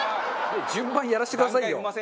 順番にやらせてくださいよ。